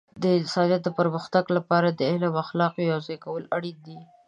د انسانیت د پرمختګ لپاره د علم او اخلاقو یوځای کول اړین دي.